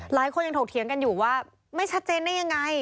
หลายคนยังถกเถียงกันอยู่ว่าไม่ชัดเจนได้ยังไง